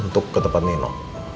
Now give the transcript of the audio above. untuk ke tempat nino